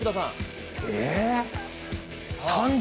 え？